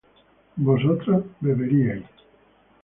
vosotras beberíais